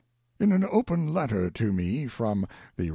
In an Open Letter to me, from the Eev.